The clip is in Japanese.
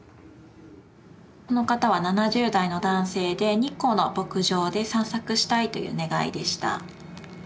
この方は７０代の男性で日光の牧場で散策したいという願いでした。